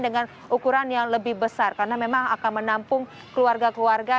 dengan ukuran yang lebih besar karena memang akan menampung keluarga keluarga